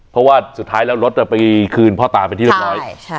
เพราะว่าสุดท้ายแล้วรถไปคืนพ่อตาเป็นที่เรียบร้อย